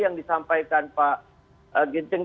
yang disampaikan pak ginting